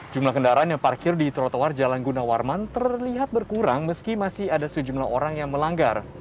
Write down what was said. jumlah kendaraan yang parkir di trotoar jalan gunawarman terlihat berkurang meski masih ada sejumlah orang yang melanggar